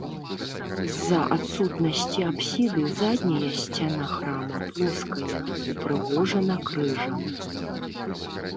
З-за адсутнасці апсіды задняя сцяна храма плоская, упрыгожана крыжам.